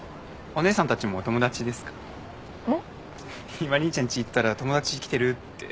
今兄ちゃんち行ったら友達来てるって。